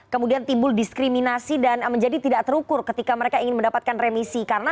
kemudian timbul diskriminasi dan menjadi tidak terukur ketika mereka ingin mendapatkan remisi karena